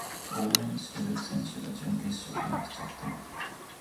応援してる選手が準決勝で負けちゃったよ